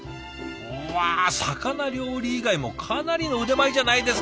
うわ魚料理以外もかなりの腕前じゃないですか！